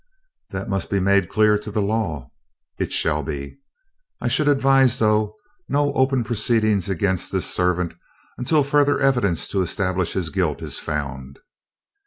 "That must be made clear to the law." "It shall be." "I should advise, though, no open proceedings against this servant until further evidence to establish his guilt is found."